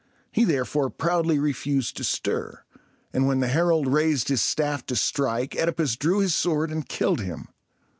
He therefore proudly refused to stir; and when the herald raised his staff to strike, OEdipus drew his sword and killed him.